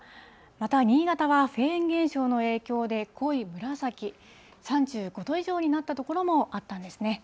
また新潟はフェーン現象の影響で濃い紫、３５度以上になった所もあったんですね。